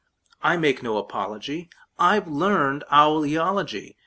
I make no apology; I've learned owl eology.